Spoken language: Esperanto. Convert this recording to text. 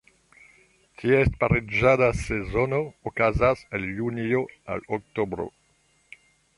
Ties pariĝada sezono okazas el Junio al Oktobro.